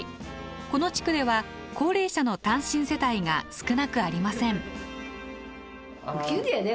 この地区では高齢者の単身世帯が少なくありません。